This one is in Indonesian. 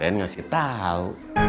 dan ngasih tau